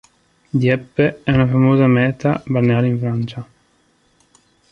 Dieppe è una famosa meta balneare in Francia.